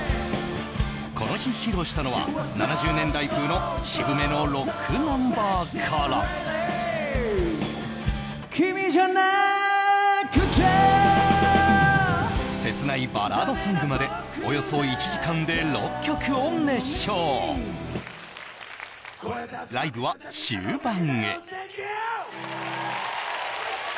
この日披露したのは７０年代風の渋めのロックナンバーから君じゃなくちゃ切ないバラードソングまでおよそ１時間で６曲を熱唱ライブは終盤へサンキュー！